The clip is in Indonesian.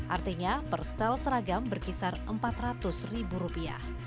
artinya per setel seragam berkisar empat ratus ribu rupiah